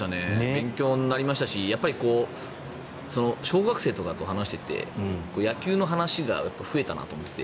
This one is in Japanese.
勉強になりましたし小学生とかと話していて野球の話が増えたなと思って。